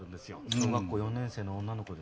小学校４年生の女の子で